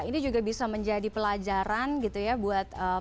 ini juga bisa menjadi pelajaran gitu ya buat